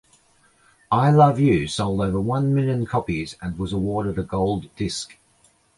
I Love You, sold over one million copies, and was awarded a gold disc.